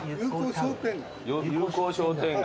友好商店街。